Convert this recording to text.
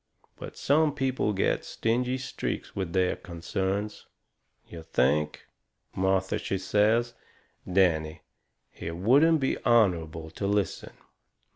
But some people get stingy streaks with their concerns. You think!" Martha, she says: "Danny, it wouldn't be honourable to listen."